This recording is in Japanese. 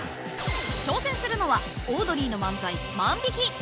［挑戦するのはオードリーの漫才「万引き」］